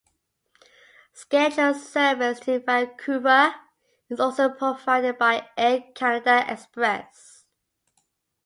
Scheduled service to Vancouver is also provided by Air Canada Express.